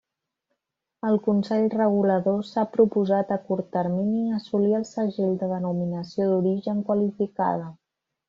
El Consell Regulador s'ha proposat a curt termini assolir el segell de Denominació d'Origen Qualificada.